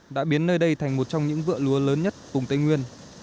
đã biến nơi đây thành một trong những vựa lúa lớn nhất cùng tây nguyên